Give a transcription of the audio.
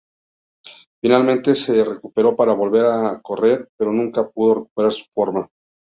Finalmente se recuperó para volver a correr, pero nunca pudo recuperar su forma.